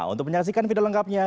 untuk menyaksikan video lengkapnya